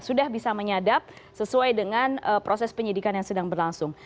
sudah bisa menyadap sesuai dengan proses penyidikan yang sedang berlangsung